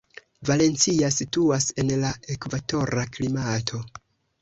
Valencia situas en la ekvatora klimato.